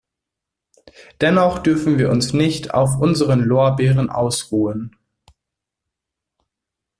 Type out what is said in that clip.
Dennoch dürfen wir uns nicht auf unseren Lorbeeren ausruhen.